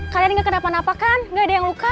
kalian gak kenapa napa kan gak ada yang luka